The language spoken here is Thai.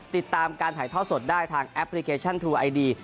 ติดตามการถ่ายท่อสดได้ทางแอปพลิเคชันทรูไอดี